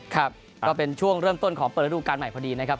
ครับก็เป็นช่วงเริ่มต้นของเปิดฤดูการใหม่พอดีนะครับ